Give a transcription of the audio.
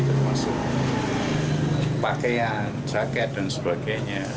termasuk pakaian jaket dan sebagainya